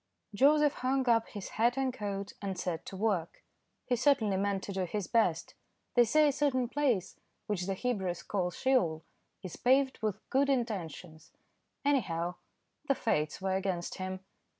Joseph hung up his hat and coat, and set to work. He certainly meant to do his best. They say a certain place, which the Hebrews call Sheol, is paved with good intentions; anyhow the fates were against him.